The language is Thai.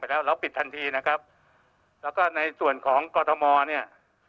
แล้วก็ในส่วนของกธนเนี่ย